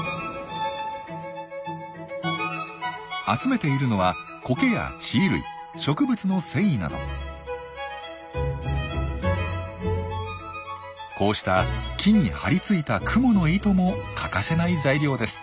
集めているのはこうした木に張り付いたクモの糸も欠かせない材料です。